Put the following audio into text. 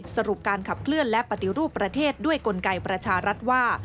สรุปการขับเคลื่อนและปฏิรูปประเทศด้วยกลไกประชารัฐว่า